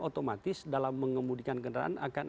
otomatis dalam mengemudikan kendaraan akan